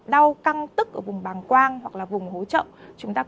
đau căng tức ở vùng bàng quang hoặc là vùng hố trộm